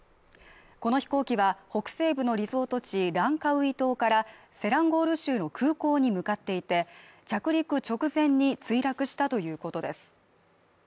この飛行機は北西部のリゾート地ランカウイ島からセランゴール州の空港に向かっていて着陸直前に墜落したということです